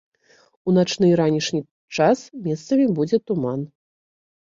У начны і ранішні час месцамі будзе туман.